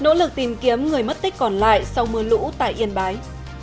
nỗ lực tìm kiếm người mất tích còn lại sau mưa lũ tại yên bái